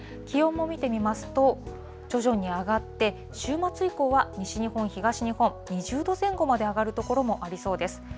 気温も見てみますと、徐々に上がって、週末以降は西日本、東日本、２０度前後まで上がる所もありそうです。